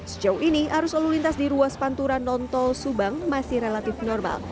sejauh ini arus lalu lintas di ruas pantura non tol subang masih relatif normal